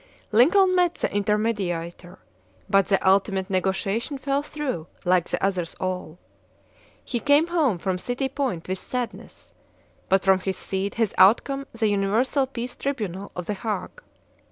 Lincoln met the intermediator, but the ultimate negotiation fell through, like the others all. He came home from City Point with sadness, but from his seed has outcome the Universal Peace Tribunal of The Hague.